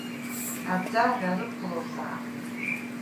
Аӡаӷьа рықәлозаап.